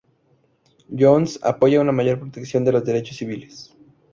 Jones apoya una mayor protección de los derechos civiles.